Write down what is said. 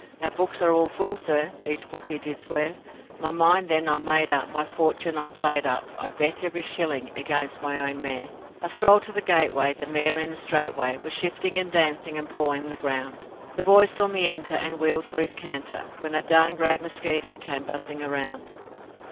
'Our books are all full, sir,' each bookie did swear; My mind, then, I made up, my fortune I played up I bet every shilling against my own mare. 'I strolled to the gateway, the mare in the straightway Was shifting and dancing, and pawing the ground, The boy saw me enter and wheeled for his canter, When a darned great mosquito came buzzing around.